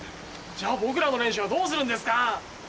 じゃあ僕らの練習はどうするんですか？